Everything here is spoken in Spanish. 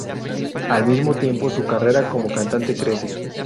Al mismo tiempo, su carrera como cantante crece.